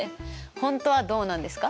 本当はどうなんですか？